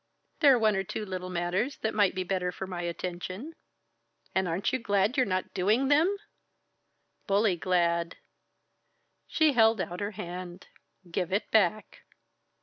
"There are one or two little matters that might be the better for my attention." "And aren't you glad you're not doing them?" "Bully glad!" She held out her hand. "Give it back."